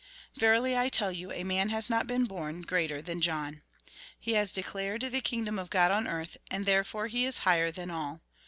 Verily, I tell you, a man has not been born greater than John. He has declared the kingdom of God on earth, and therefore he is higher than all.